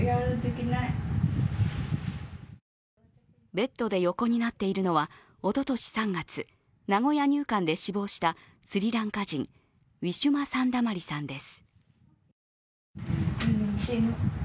ベッドで横になっているのはおととし３月、名古屋入管で死亡したスリランカ人、ウィシュマ・サンダマリさんです。